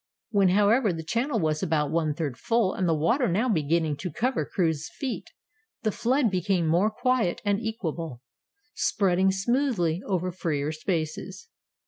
When, however, the channel was about one third full and the water now beginning to cover Crewe's feet, the flood became more quiet and equable, spreading smoothly over freer spaces.